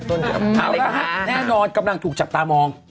เอาละฮะแน่นอนกำลังถูกจับตามอง